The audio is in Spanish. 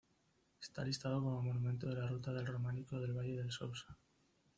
Está listado como monumento de la Ruta del Románico del valle del Sousa.